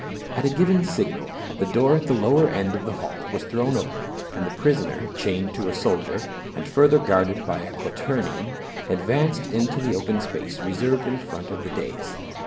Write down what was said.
At a given signal the door at the lower end of the hall was thrown open and the prisoner, chained to a soldier, and further guarded by a quaternion, advanced into the open space reserved in front of the dais.